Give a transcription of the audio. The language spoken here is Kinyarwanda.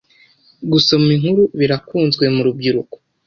Gusoma inkuru birakunzwe murubyiruko.